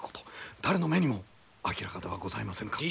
誰の目にも明らかではございませぬか。